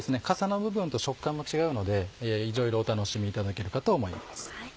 かさの部分と食感も違うのでいろいろお楽しみいただけるかと思います。